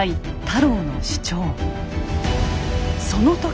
太郎の主張。